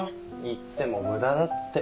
言っても無駄だって。